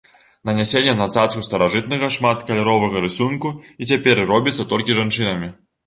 Нанясенне на цацку старажытнага шматкаляровага рысунку і цяпер робіцца толькі жанчынамі.